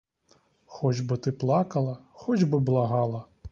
Хоч би ти плакала, хоч би благала.